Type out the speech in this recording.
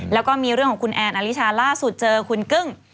แล้วก็มีเรื่องของคุณแอนอลิชาล่าสุดเจอคุณกึ้ง